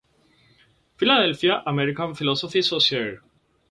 Philadelphia: American Philosophical Society.